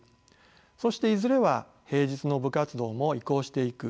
そしていずれは平日の部活動も移行していく。